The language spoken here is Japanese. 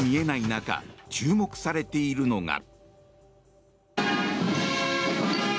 中注目されているのが。